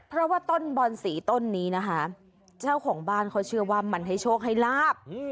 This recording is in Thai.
เพราะว่าต้นบอนสีต้นนี้นะคะเจ้าของบ้านเขาเชื่อว่ามันให้โชคให้ลาบ